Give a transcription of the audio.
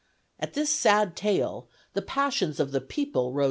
At this sad tale, the passions of the people rose high.